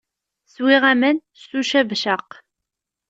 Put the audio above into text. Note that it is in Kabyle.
Swiɣ aman s ucabcaq.